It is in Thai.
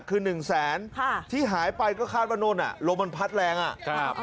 คือหนึ่งแสนค่ะที่หายไปก็คาดว่านู่นอ่ะลมมันพัดแรงอ่ะครับ